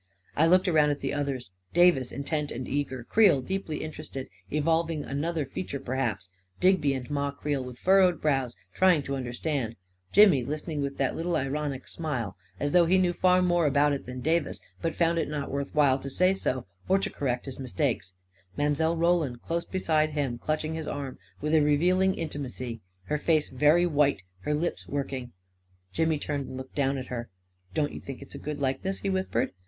I looked around at the others — Davis, intent and eager ; Creel deeply interested, evolving another fea ture, perhaps; Digby and Ma Creel with furrowed brows, trying to understand; Jimmy listening with that little ironic smile, as though he knew far more about it than Davis, but found it not worth while to say so or to correct his mistakes ; Mile. Roland, close beside him, clutching his arm with a revealing inti macy ; her face very white, her lips working ... Jimmy turned and looked down at her. " Don't you think it a good likeness? " he whis pered.